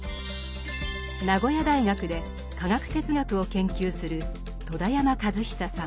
名古屋大学で科学哲学を研究する戸田山和久さん。